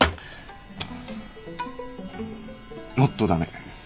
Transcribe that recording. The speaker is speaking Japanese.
もっと駄目。